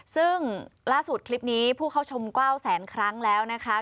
ซึ่งล่าสุดคลิปนี้ผู้เข้าชม๙แสนครั้งแล้วนะคะ